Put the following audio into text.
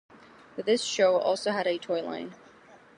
This show also had a toy line.